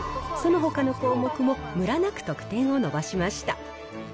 そのほかの項目もむらなく得点を伸ばしました。